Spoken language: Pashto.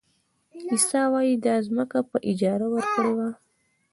عیسی وایي دا ځمکه په اجاره ورکړې وه.